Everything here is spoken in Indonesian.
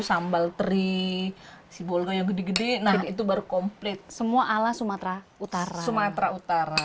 sambal teri sibolga yang gede gede nah itu baru komplit semua ala sumatera utara sumatera utara